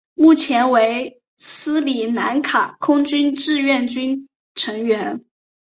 目前为斯里兰卡空军志愿军成员。